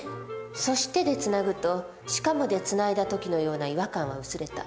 「そして」でつなぐと「しかも」でつないだ時のような違和感は薄れた。